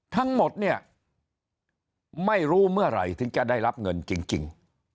ทั้งหมดเนี่ยไม่รู้เมื่อไหร่ถึงจะได้รับเงินจริง